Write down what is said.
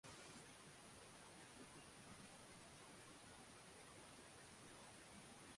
mwaka elfu mbili na tanoBaada ya kutoka madarakani Sumaye alikuwa Balozi wa Shirika